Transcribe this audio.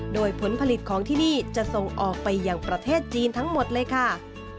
โดยผลผลิตของที่นี่จะส่งออกไปอย่างประเทศจีนทั้งหมดเลยค่ะ